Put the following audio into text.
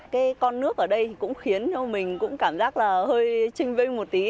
cái con nước ở đây cũng khiến mình cảm giác là hơi trinh vinh một tí